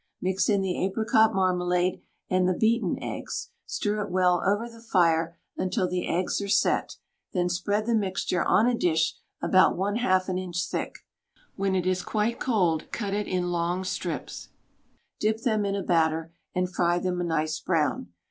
Mix in the apricot marmalade and the beaten eggs, stir it well over the fire until the eggs are set; then spread the mixture on a dish, about 1/2 an inch thick. When it is quite cold, cut it in long strips, dip them in a batter, and fry them a nice brown.